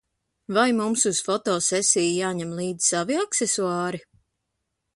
Vai mums uz foto sesiju jāņem līdzi savi aksesuāri?